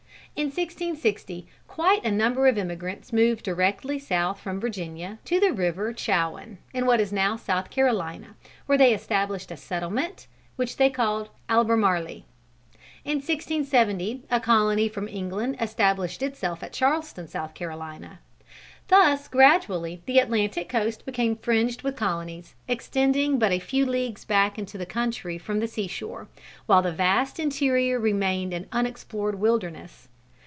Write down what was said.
In 1660, quite a number of emigrants moved directly south from Virginia, to the river Chowan, in what is now South Carolina, where they established a settlement which they called Albermarle. In 1670, a colony from England established itself at Charleston, South Carolina. Thus gradually the Atlantic coast became fringed with colonies, extending but a few leagues back into the country from the sea shore, while the vast interior remained an unexplored wilderness.